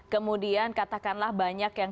kemudian katakanlah banyak yang